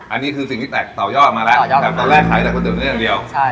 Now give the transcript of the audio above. อันนี้คือสิ่งที่แตกต่อยอดมาแล้วแต่ตอนแรกขายแต่ก๋วเนื้ออย่างเดียว